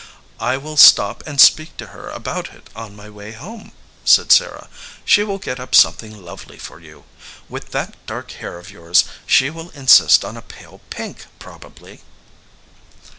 "I will stop and speak to her about it on my way home," said Sarah. "She will get up something lovely for you. With that dark hair of yours, she will insist on a pale pink probably."